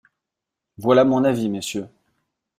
Voilà mon avis, Messieurs!